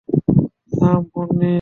থাম, পোন্নি।